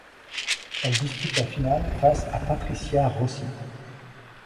Elle dispute la finale face à Patricia Rossi.